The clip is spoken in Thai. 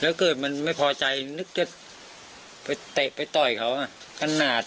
ถ้าเกิดมันไม่พอใจนึกว่าเตะไปต่อยเค้าก้น